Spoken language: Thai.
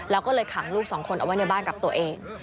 แล้วก็เลยขังลูกสองคนเอาไว้ในบ้านกับตัวเอง